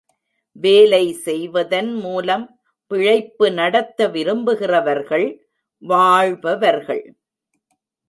வேலை செய்வதன் மூலம் பிழைப்பு நடத்த விரும்புகிறவர்கள் வாழ்பவர்கள்.